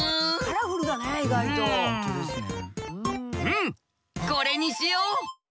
うんうんこれにしよう！